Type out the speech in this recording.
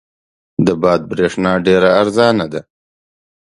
د باد برېښنا ډېره ارزانه ده.